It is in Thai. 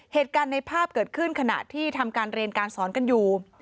เหตุการณ์ในภาพเกิดขึ้นขณะที่ทำการเรียนการสอนกันอยู่